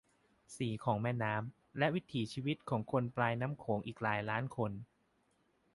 สีของแม่น้ำ และวิถีชีวิตของคนปลายน้ำโขงอีกหลายล้านคน